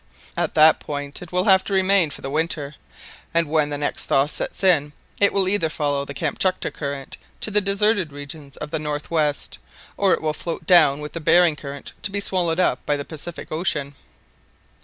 At that point it will have to remain for the winter, and when the next thaw sets in, it will either follow the Kamtchatka Current to the deserted regions of the north west, or it will float down with the Behring Current to be swallowed up by the Pacific Ocean."